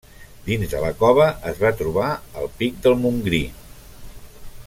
Dins de la cova es va trobar el pic del Montgrí.